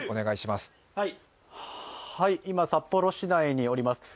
今、札幌市内におります。